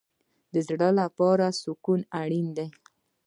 د زړه لپاره سکون اړین دی